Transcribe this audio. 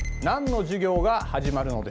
何の授業が始まる？